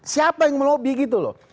siapa yang melobi gitu loh